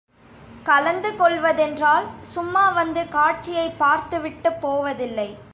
கலந்து கொள்வதென்றால், சும்மா வந்து காட்சியைப் பார்த்துவிட்டுப் போவதில்லை.